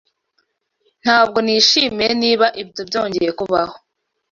Ntabwo nishimiye niba ibyo byongeye kubaho.